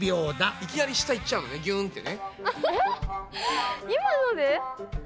いきなり下行っちゃうのねギューンってね。